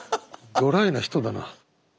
ドライな人だな。